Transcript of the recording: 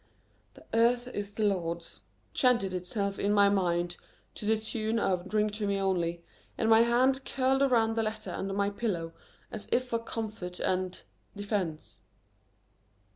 "The earth is the Lord's " chanted itself in my mind to the tune of "Drink to me only," and my hand curled around the letter under my pillow as if for comfort and defense.